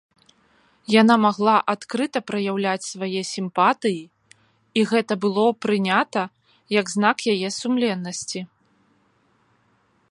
Яна магла адкрыта праяўляць свае сімпатыі, і гэта было прынята як знак яе сумленнасці.